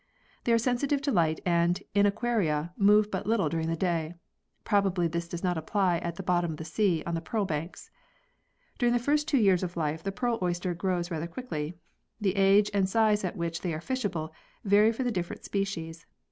They are sensitive to light and, in aquaria, move but little during the day. Probably this does not apply at the bottom of the sea on the pearl banks. During the first two years of life the pearl oyster grows rather quickly. The age and the size at which they are fishable, vary for the different species.